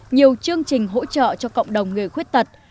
nhiều chương trình hỗ trợ cho cộng đồng người khuyết tật